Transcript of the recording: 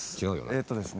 えっとですね